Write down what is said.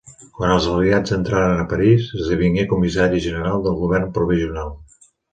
Quan els Aliats entraren a París, esdevingué comissari general del govern provisional.